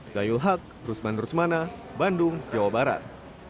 saya yul hak rusman rusmana bandung jawa barat